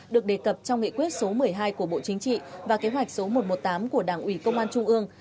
được đề cập trong nghị quyết số một mươi hai của bộ chính trị và kế hoạch số một trăm một mươi tám của đảng ủy công an trung ương